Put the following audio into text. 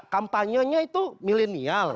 kampanyenya itu milenial